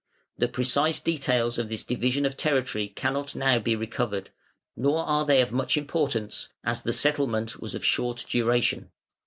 The precise details of this division of territory cannot now be recovered, nor are they of much importance, as the settlement was of short duration.